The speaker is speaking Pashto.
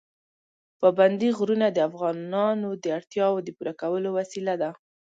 پابندی غرونه د افغانانو د اړتیاوو د پوره کولو وسیله ده.